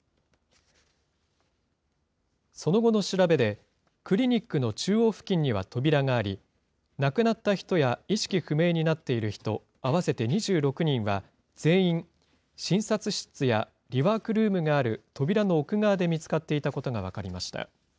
その後の調べで、クリニックの中央付近には扉があり、亡くなった人や意識不明になっている人、合わせて２６人は、全員、診察室やリワークルームがある扉の奥側で見つかっていたことが分かりました。